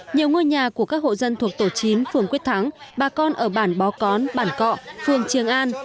nhiều ngôi nhà của các hộ dân thuộc tổ chín phường quyết thắng bà con ở bản bó cón bản cọ phường trường an